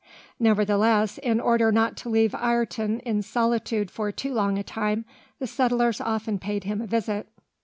Nevertheless, in order not to leave Ayrton in solitude for too long a time, the settlers often paid him a visit.